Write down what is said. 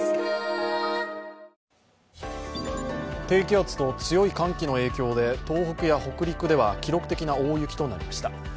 低気圧と強い寒気の影響で東北や北陸では記録的な大雪となりました。